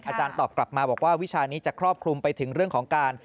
อาจารย์ตอบกลับมาบอกว่าวิชานี้จะครอบคลุมไปถึงเรื่องของการ